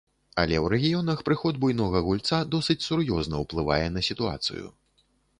Але ў рэгіёнах прыход буйнога гульца досыць сур'ёзна ўплывае на сітуацыю.